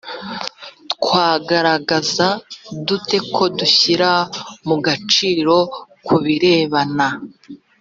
twagaragaza dute ko dushyira mu gaciro ku birebana